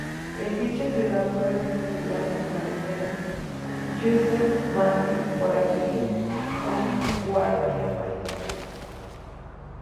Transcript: En dicha ciudad fue fusilado el marinero Giuseppe Mandi por agredir a un guardiamarina.